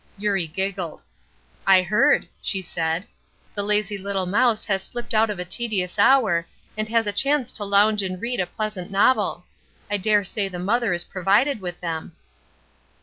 Eurie giggled. "I heard," she said. "The lazy little mouse has slipped out of a tedious hour, and has a chance to lounge and read a pleasant novel. I dare say the mother is provided with them."